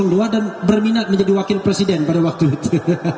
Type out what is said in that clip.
dan berminat menjadi wakil presiden pada waktu itu